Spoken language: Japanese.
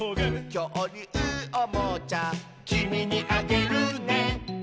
「きょうりゅうおもちゃ」「きみにあげるね」